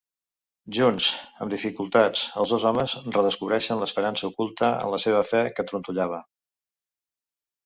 Junts, amb dificultats, els dos homes redescobreixen l'esperança oculta en la seva fe que trontollava.